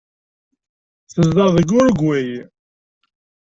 Tezdeɣ deg Urugway.